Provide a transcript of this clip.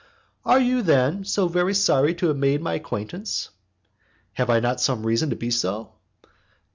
"Are you, then, so very sorry to have made my acquaintance?" "Have I not some reason to be so?"